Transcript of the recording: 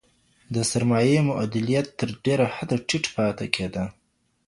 د سرمايې مؤلديت تر ډيره حده ټيټ پاته کيده.